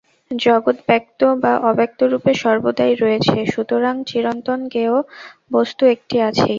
জগৎ ব্যক্ত বা অব্যক্তরূপে সর্বদাই রয়েছে, সুতরাং চিরন্তন জ্ঞেয় বস্তু একটি আছেই।